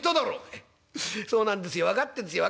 「ええそうなんですよ分かってんですよ。